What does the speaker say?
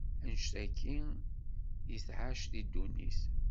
annect-agi i tɛac di ddunit.